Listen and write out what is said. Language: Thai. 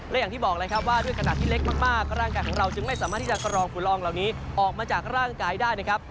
และอย่างที่บอกเลยครับว่าด้วยขนาดที่เล็กมากร่างกายของเราจึงไม่สามารถที่จะกรองฝุ่นลองเหล่านี้ออกมาจากร่างกายได้นะครับ